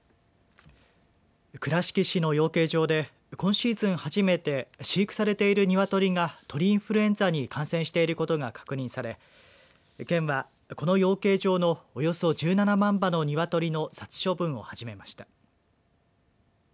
倉敷市の養鶏場で今シーズン初めて飼育されている鶏が鳥インフルエンザに感染していることが確認され県は、この養鶏場のおよそ１７万羽の鶏の殺処分を始めました。